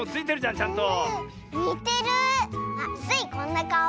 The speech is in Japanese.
あっスイこんなかお？